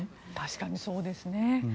確かにそうですね。